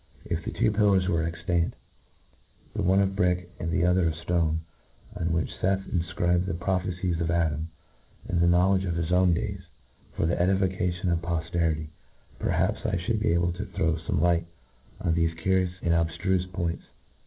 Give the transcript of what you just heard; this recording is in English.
If the two pillars were extant, the one of brick, and the other of ftone, on which • Seth infcribed the prophecies of Adam, and the knowledge of his own days, for the edification of poftcrity, perhaps I Ihould be able to throw fome light on thefe curious and abilrufe points.